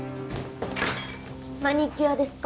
マニキュアですか？